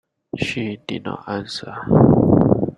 She did not answer.